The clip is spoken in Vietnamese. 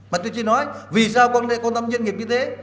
mà tôi chỉ nói vì sao quan tâm doanh nghiệp như thế